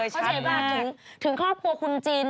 เขาเขียนบาทถึงครอบครัวคุณจิน